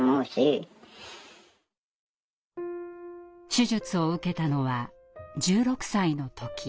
手術を受けたのは１６歳の時。